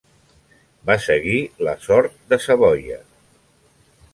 Va seguir la sort de Savoia.